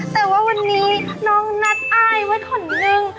แต่ว่าวันนี้น้องนัดอายไว้คนนึง